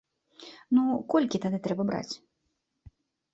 Ну, колькі тады трэба браць?